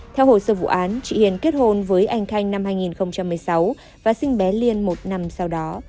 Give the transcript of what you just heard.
theo hồ sơ vụ án chị hiền kết hôn với anh khanh năm hai nghìn một mươi sáu và sinh bé liên một năm sau đó